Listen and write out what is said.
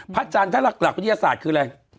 อาจารย์ถ้าหลักวิทยาศาสตร์คืออะไร